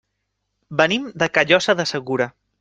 Venim de Callosa de Segura.